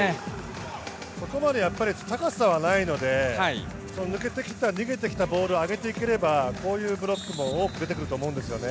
ここまでやっぱり高さはないので抜けてきた逃げてきたボールを上げていければこういうブロックも多く出てくると思うんですよね。